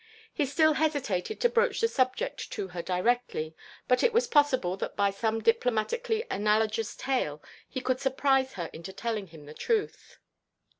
He still hesitated to broach the subject to her directly, but it was possible that by some diplomatically analogous tale he could surprise her into telling him the truth.